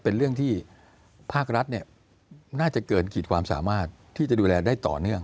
เป็นเรื่องที่ภาครัฐน่าจะเกินขีดความสามารถที่จะดูแลได้ต่อเนื่อง